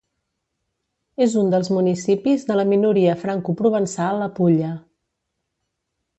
És un dels municipis de la minoria francoprovençal a Pulla.